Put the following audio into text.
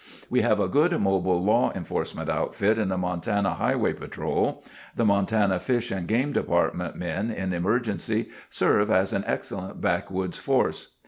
"We have a good, mobile law enforcement outfit in the Montana Highway Patrol. The Montana Fish and Game Dept. men, in emergency, serve as an excellent backwoods force.